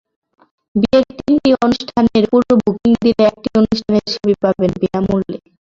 বিয়ের তিনটি অনুষ্ঠানের পুরো বুকিং দিলে একটি অনুষ্ঠানের ছবি পাবেন বিনা মূল্যে।